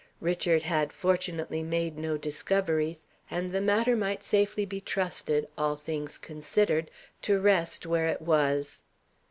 Richard had fortunately made no discoveries; and the matter might safely be trusted, all things considered, to rest where it was.